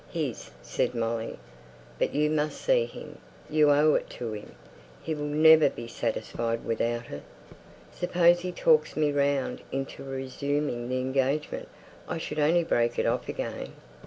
"His," said Molly. "But you must see him; you owe it to him. He will never be satisfied without it." "Suppose he talks me round into resuming the engagement? I should only break it off again."